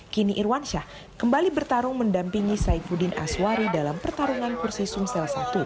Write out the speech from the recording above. kini irwansyah kembali bertarung mendampingi saifuddin aswari dalam pertarungan kursi sumsel satu